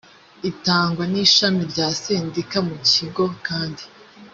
itangwa n ishami rya sendika mu kigo kandi